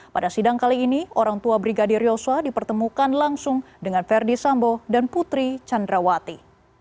pada sidang kali ini orang tua brigadir yosua dipertemukan langsung dengan verdi sambo dan putri candrawati